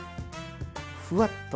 ふわっと。